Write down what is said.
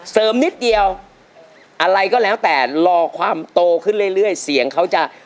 นิดเดียวอะไรก็แล้วแต่รอความโตขึ้นเรื่อยเสียงเขาจะ